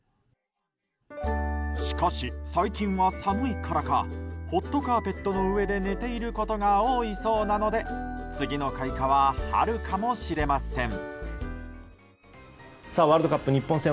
しかし、最近は寒いからかホットカーペットの上で寝ていることが多いそうなので次の開花は春かもしれません。